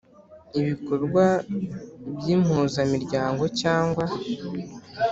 Ibikorwa by impuzamiryango cyangwa